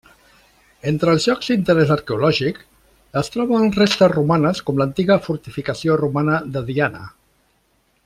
Entre els llocs d'interès arqueològic, es troben restes romanes com l'antiga fortificació romana de Diana.